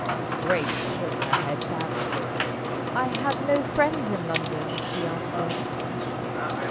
Grace shook her head sadly. "I have no friends in London," she answered.